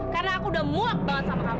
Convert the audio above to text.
karena aku udah muak banget sama kamu